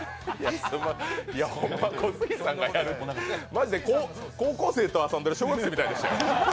マジで高校生と遊んでる小学生みたいでしたよ。